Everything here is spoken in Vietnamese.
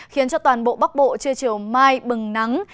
khiến cho toàn bộ bắc bộ trưa chiều mai bừng nắng